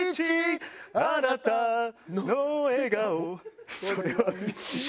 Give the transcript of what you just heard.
「あなたの笑顔それは」